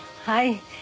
はい。